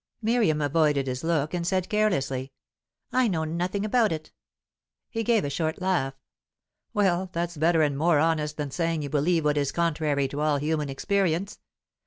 Miriam avoided his look, and said carelessly: "I know nothing about it." He gave a short laugh. "Well, that's better and more honest than saying you believe what is contrary to all human experience.